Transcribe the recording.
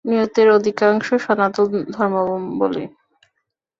নিহতদের অধিকাংশই সনাতন ধর্মাবলম্বী।